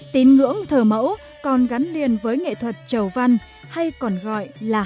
tín ngưỡng thở mẫu còn gắn liền với nghệ thuật chầu văn hay còn gọi là hát văn